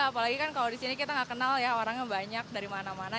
apalagi kan kalau di sini kita nggak kenal ya orangnya banyak dari mana mana